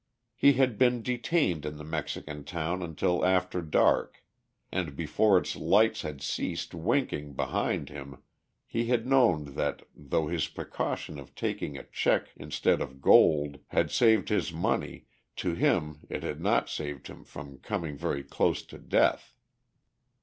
He had been detained in the Mexican town until after dark, and before its lights had ceased winking behind him he had known that though his precaution of taking a check instead of gold had saved his money to him it had not saved him from coming very close to death.